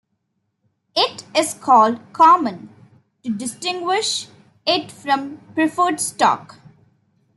It is called "common" to distinguish it from preferred stock.